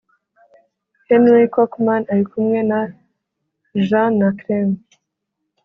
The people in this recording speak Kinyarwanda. Henry Cockman ari kumwe na Jean na Clem